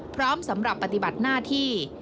พร้อมสำหรับปฏิบัติหน้าที่